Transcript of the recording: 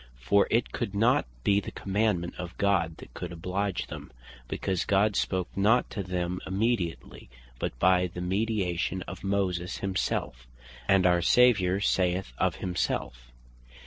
For it could not be the commandement of God that could oblige them; because God spake not to them immediately, but by the mediation of Moses Himself; And our Saviour saith of himself, (John 5.